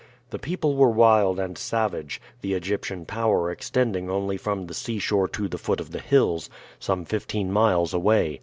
The people were wild and savage, the Egyptian power extending only from the seashore to the foot of the hills, some fifteen miles away.